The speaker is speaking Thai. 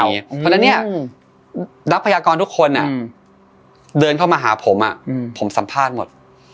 เพราะฉะนั้นเนี่ยนักพยากรทุกคนเดินเข้ามาหาผมผมสัมภาษณ์หมด